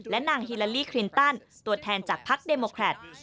นางฮิลาลีคลินตันตัวแทนจากพักเดโมแครต